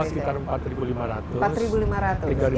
sdm total sekitar empat lima ratus